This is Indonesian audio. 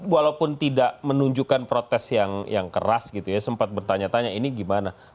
walaupun tidak menunjukkan protes yang keras gitu ya sempat bertanya tanya ini gimana